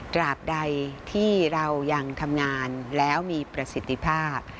ตราบใดที่เรายังทำงานแล้วมีประสิทธิภาพ